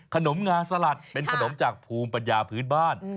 งาสลัดเป็นขนมจากภูมิปัญญาพื้นบ้าน